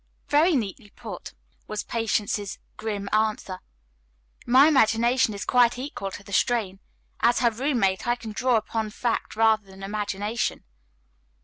"Very neatly put," was Patience's grim answer. "My imagination is quite equal to the strain. As her roommate, I can draw upon fact rather than imagination."